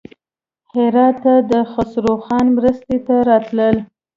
هراته د خسروخان مرستې ته راتلل.